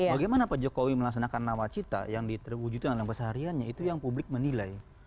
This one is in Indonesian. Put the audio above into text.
bagaimana pak jokowi melaksanakan nawacita yang diwujudkan dalam kesehariannya itu yang publik menilai